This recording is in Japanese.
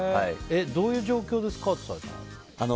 どういう状況でスカウトされたの？